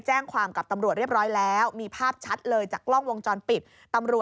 เหมือนเบาอ่ะแล้วอาจจะโชว์พาว